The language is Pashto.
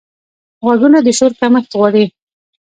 غوږونه د شور کمښت غواړي